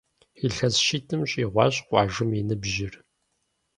Илъэс щитӏым щӏигъуащ къуажэм и ныбжьыр.